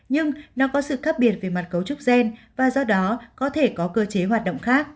nhưng nó có sự khác biệt về mặt cấu trúc gen và do đó có thể có cơ chế hoạt động khác